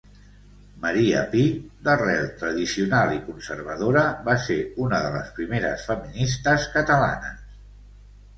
Maria Pi, d'arrel tradicional i conservadora, va ser una de les primeres feministes catalanes.